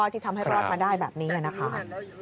ที่ทำให้รอดมาได้แบบนี้นะคะ